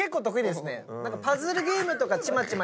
パズルゲームとかちまちま。